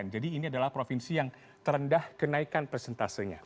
jadi ini adalah provinsi yang terendah kenaikan persentase